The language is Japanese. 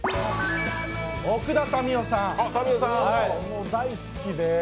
奥田民生さん、もう大好きで。